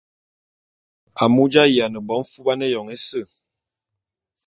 Amu j’ayiane bo mfuban éyoñ ése.